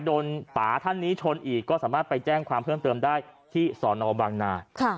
ป่าท่านนี้ชนอีกก็สามารถไปแจ้งความเพิ่มเติมได้ที่สอนอบางนา